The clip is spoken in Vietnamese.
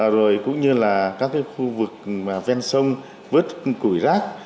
rồi cũng như là các cái khu vực ven sông vớt củi rác